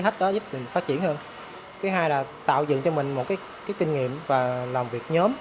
thách đó giúp mình phát triển hơn thứ hai là tạo dựng cho mình một kinh nghiệm và làm việc nhóm